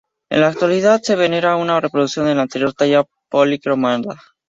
En la actualidad se venera una reproducción de la anterior talla policromada.